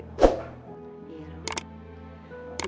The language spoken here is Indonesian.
gak usah diangkatin lagi ya